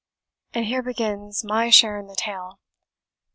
And here begins my share in the tale.